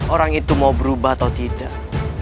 orang itu mau berubah atau tidak